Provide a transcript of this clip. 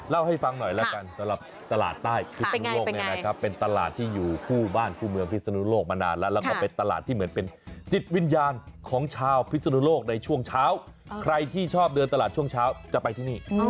เล่าให้ฟังหน่อยแล้วกันสำหรับตลาดใต้พิศนุโลกเนี่ยนะครับเป็นตลาดที่อยู่คู่บ้านคู่เมืองพิศนุโลกมานานแล้วแล้วก็เป็นตลาดที่เหมือนเป็นจิตวิญญาณของชาวพิศนุโลกในช่วงเช้าใครที่ชอบเดินตลาดช่วงเช้าจะไปที่นี่